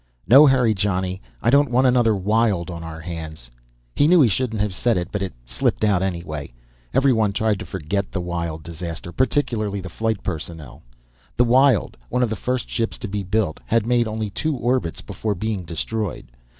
"No hurry, Johnny. I don't want another Wyld on our hands." He knew he shouldn't have said it, but it slipped out anyway. Everyone tried to forget the Wyld disaster, particularly the flight personnel. The Wyld, one of the first ships to be built, had made only two orbits before being destroyed.